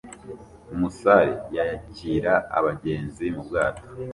umusare yakira abagenzi mu bwato